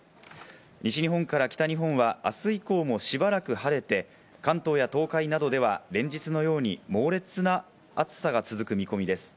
西日本から北日本はあす以降もしばらく晴れて、関東や東海などでは連日のように猛烈な暑さが続く見込みです。